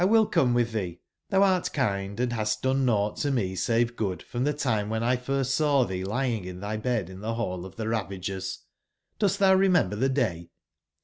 will come witb tbee: tbou art kind, & bast done nougbt to me save good from tbe time wben 1 first saw tbee lying in tby bed in tbe Rail of tbe Ravagers. Dost tbou remember tbe day